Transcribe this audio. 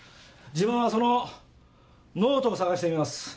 自分はそのノートを捜してみます。